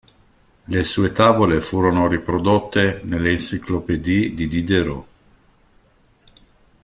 Le sue tavole furono riprodotte nell"'Encyclopédie" di Diderot.